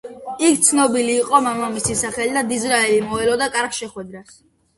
იქ ცნობილი იყო მამამისის სახელი და დიზრაელი მოელოდა კარგ შეხვედრას.